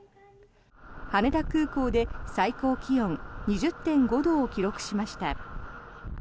羽田空港で最高気温２０．５度を記録しました。